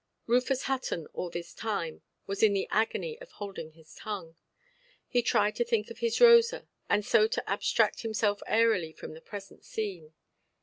Rufus Hutton, all this time, was in the agony of holding his tongue. He tried to think of his Rosa, and so to abstract himself airily from the present scene.